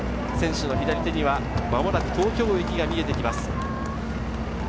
今、日差しが照らします選手の左手にはまもなく東京駅が見えてきます。